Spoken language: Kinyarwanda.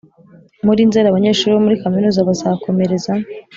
muri Nzeri, abanyeshuri bo muri kaminuza bazakomereza